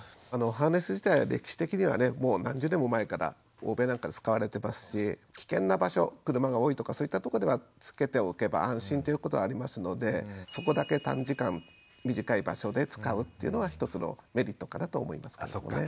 ハーネス自体は歴史的にはねもう何十年も前から欧米なんかで使われてますし危険な場所車が多いとかそういったとこではつけておけば安心ということはありますのでそこだけ短時間短い場所で使うっていうのは一つのメリットかなと思いますけれどもね。